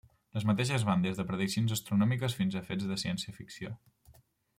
Les mateixes van des de prediccions astronòmiques, fins a fets de ciència-ficció.